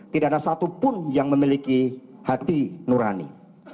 tidak ada satupun yang memiliki hati nurani